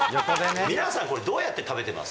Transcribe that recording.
皆さん、これどうやって食べてます？